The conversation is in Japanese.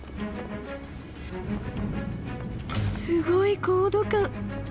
すごい高度感。